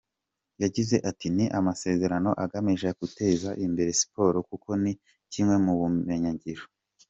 Yagize ati ”Ni amasezerano agamije guteza imbere siporo kuko ni kimwe mu bumenyingiro.